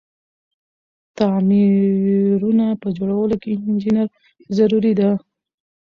تعميرونه په جوړولو کی انجنیر ضروري ده.